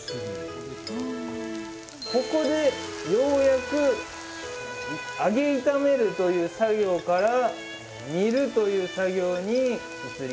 ここでようやく揚げ炒めるという作業から煮るという作業に移ります。